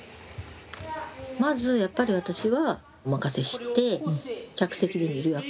まずやっぱり私はお任せして客席で見るわけやん。